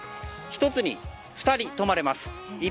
１つに２人泊まれます。